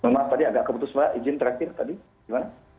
maaf tadi agak keputus mbak ijin terakhir tadi gimana